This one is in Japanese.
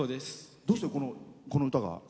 どうして、この歌が？